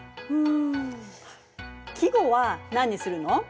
ん季語は何にするの？